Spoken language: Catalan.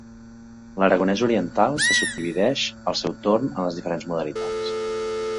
L'aragonès oriental se subdivideix al seu torn en les diferents modalitats.